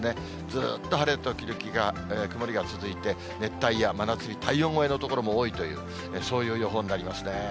ずっと晴れ時々曇りが続いて、熱帯夜、真夏日、体温超えという所も多いという、そういう予報になりますね。